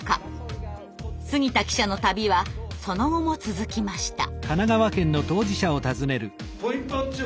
杉田記者の旅はその後も続きました。